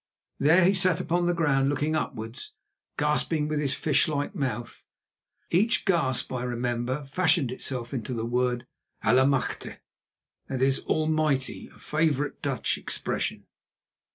There he sat upon the ground, looking upwards, gasping with his fish like mouth. Each gasp, I remember, fashioned itself into the word Allemachte! that is "Almighty," a favourite Dutch expression.